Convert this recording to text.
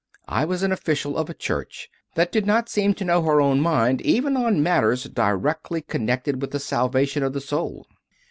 I was an official of a church that did not seem to know her own mind even on matters directly con nected with the salvation of the soul.